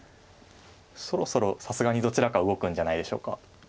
そろそろさすがにどちらか動くんじゃないでしょうか。